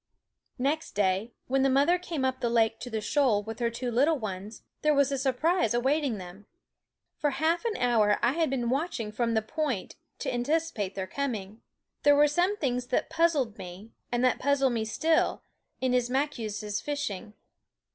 Next day, when the mother came up the lake to the shoal with her two little ones, there was a surprise awaiting them. For half an hour I had been watching from the point to anticipate their coming. There were some things that puzzled me, and that puzzle me still, in Ismaques' fishing.